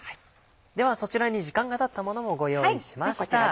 ではそちらに時間がたったものをご用意しました。